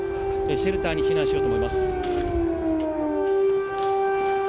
シェルターに避難しようと思います。